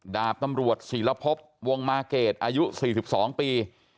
ดาบตำรวจศิลภพวงมาเกรดอายุ๔๒ปี